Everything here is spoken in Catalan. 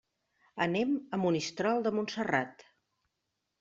Anem a Monistrol de Montserrat.